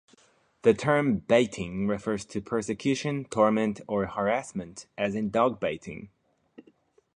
The term "baiting" refers to persecution, torment or harassment, as in dog-baiting.